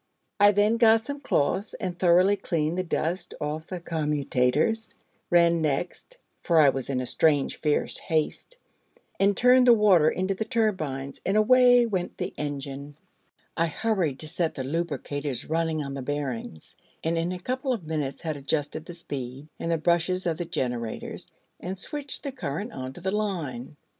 I then got some cloths and thoroughly cleaned the dust off the commutators; ran next for I was in a strange fierce haste and turned the water into the turbines, and away went the engine; I hurried to set the lubricators running on the bearings, and in a couple of minutes had adjusted the speed, and the brushes of the generators, and switched the current on to the line.